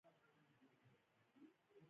عطرونه د انسان د یادګار برخه ګرځي.